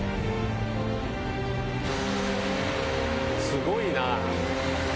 すごいな！